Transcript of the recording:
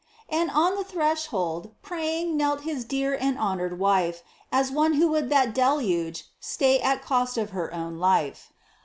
And on the threshold, praying, knelt his dear and honored wife, As one who would that deluge stay at cost of her own life.